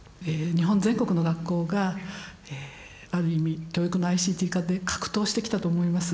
日本全国の学校がある意味教育のＩＣＴ化で格闘してきたと思います。